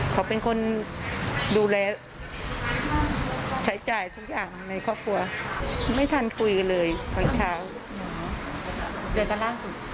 เขาเป็นคนดูแลใช้จ่ายทุกอย่างในครอบครัวไม่ทันคุยเลยตอนเช้า